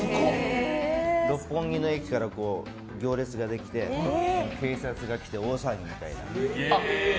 六本木の駅から行列ができて警察が来て、大騒ぎみたいな。